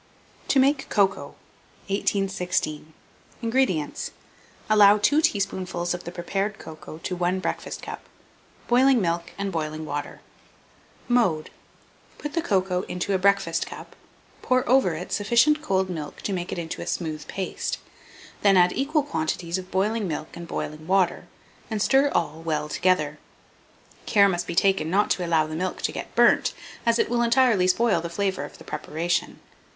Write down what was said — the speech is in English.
TO MAKE COCOA. 1816. INGREDIENTS. Allow 2 teaspoonfuls of the prepared cocoa to 1 breakfast cup; boiling milk and boiling water. [Illustration: COCOA BEAN.] Mode. Put the cocoa into a breakfast cup, pour over it sufficient cold milk to make it into a smooth paste; then add equal quantities of boiling milk and boiling water, and stir all well together. Care must be taken not to allow the milk to get burnt, as it will entirely spoil the flavour of the preparation.